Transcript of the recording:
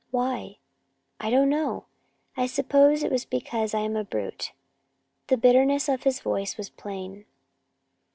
Why?" "I don't know. I suppose it was because I am a brute!" The bitterness of his voice was plain.